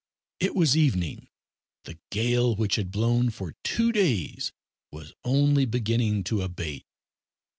It was evening. The gale, which had blown for two days was only beginning to abate.